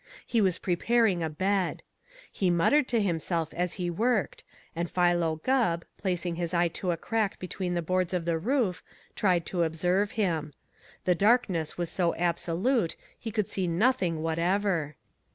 He was preparing a bed. He muttered to himself as he worked, and Philo Gubb, placing his eye to a crack between the boards of the roof, tried to observe him. The darkness was so absolute he could see nothing whatever.